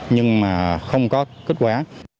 nhưng mà không có kết quả